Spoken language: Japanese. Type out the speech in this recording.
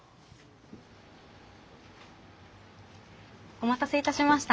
お待たせいたしました。